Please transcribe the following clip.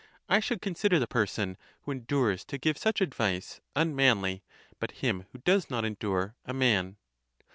I should consider the person, who endures to give such advice, unmanly; but him, who does not endure, a man.